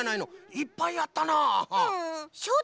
いっぱいやったな。